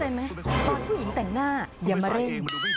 ตอนผู้หญิงแต่งหน้าอย่ามาเร่ง